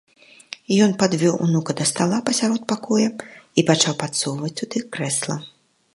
Ён падвёў унука да стала пасярод пакоя і пачаў падсоўваць туды крэсла.